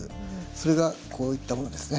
それがこういったものですね。